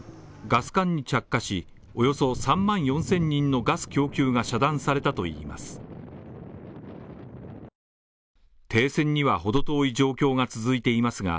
ガス管に着火し、およそ３万４０００人のガス供給が遮断されたといいます。